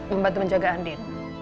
membantu menjaga andien